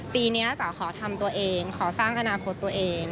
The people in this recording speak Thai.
ปีนี้จ๋าขอทำตัวเองขอสร้างอนาคตตัวเอง